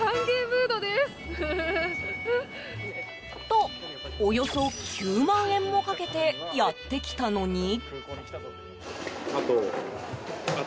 と、およそ９万円もかけてやって来たのに。